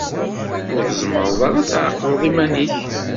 Ur tzemmreḍ ara ad tɛeqleḍ iman-ik.